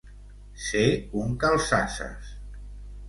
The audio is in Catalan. Ser un calçasses.